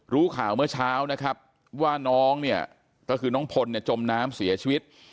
รู้ข่าวเมื่อเช้านะครับว่าน้องเนี่ยก็คือน้องพลเนี่ยจมน้ำเสียชีวิต